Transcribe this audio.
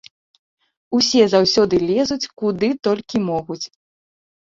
Усе заўсёды лезуць, куды толькі могуць.